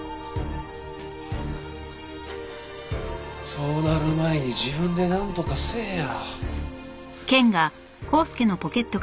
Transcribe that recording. そうなる前に自分でなんとかせえや。